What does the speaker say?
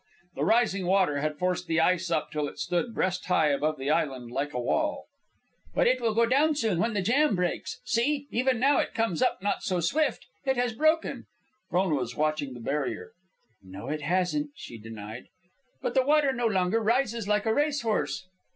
The rising water had forced the ice up till it stood breast high above the island like a wall. "But it will go down soon when the jam breaks. See, even now it comes up not so swift. It has broken." Frona was watching the barrier. "No, it hasn't," she denied. "But the water no longer rises like a race horse."